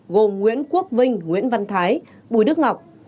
gồm nguyễn quốc vinh nguyễn văn thái bùi đức ngọc